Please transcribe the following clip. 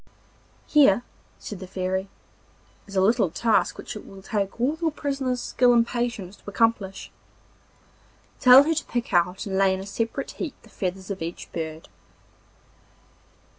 'Here,' said the Fairy, 'is a little task which it will take all your prisoner's skill and patience to accomplish. Tell her to pick out and lay in a separate heap the feathers of each bird.